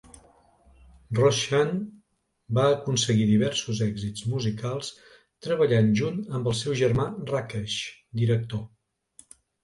Roshan va aconseguir diversos èxits musicals, treballant junt amb el seu germà Rakesh, director.